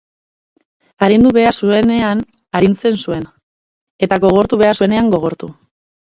Arindu behar zuenean arintzen zuen, eta gogortu behar zuenean gogortu.